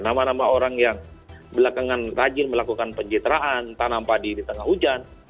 nama nama orang yang belakangan rajin melakukan pencitraan tanam padi di tengah hujan